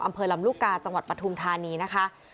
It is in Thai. อำเภอลำลูกกาจังหวัดปฐุมธานีนะคะ